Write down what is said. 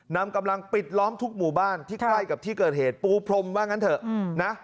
นำกำลังปิดล้อมทุกหมู่บ้านที่ใกล้กับที่เกิดเหตุปูพรมว่างั้นเถอะนะ